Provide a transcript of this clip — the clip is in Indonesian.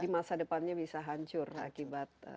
yang juga bisa hancur akibat